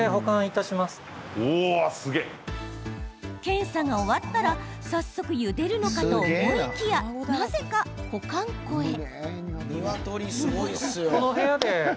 検査が終わったら早速、ゆでるのかと思いきやなぜか保管庫へ。